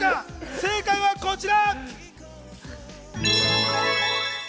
正解はこちら。